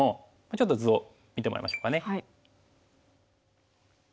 ちょっと図を見てもらいましょうかね。